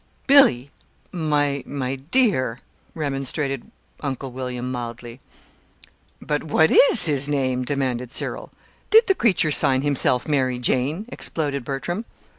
"Billy, my my dear," remonstrated Uncle William, mildly. "But what is his name?" demanded Cyril. "Did the creature sign himself 'Mary Jane'?" exploded Bertram.